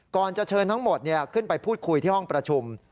ก่อนจะเชิญทั้งหมดขึ้นไปพูดคุยที่ห้องประชุม